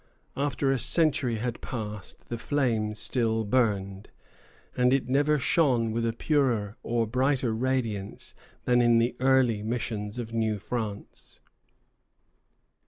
After a century had passed, the flame still burned, and it never shone with a purer or brighter radiance than in the early missions of New France.